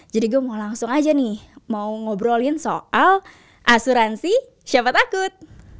jadi gue mau langsung aja nih mau ngobrolin soal asuransi siapa takut